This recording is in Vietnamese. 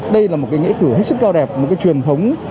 đây là một nghệ cử hết sức cao đẹp một truyền thống